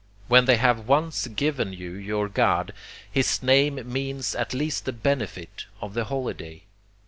When they have once given you your God, his name means at least the benefit of the holiday.